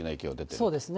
そうですね。